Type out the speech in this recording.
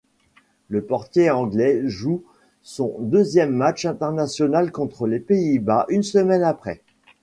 Le portier anglais joue son deuxième match international contre les Pays-Bas, une semaine après.